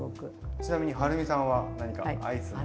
ちなみにはるみさんは何かアイスの。